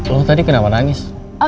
lo tadi kenapa nangis